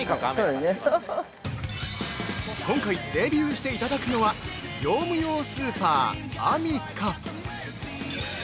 ◆今回デビューしていただくのは、業務用スーパー「アミカ」。